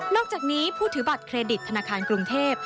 อกจากนี้ผู้ถือบัตรเครดิตธนาคารกรุงเทพ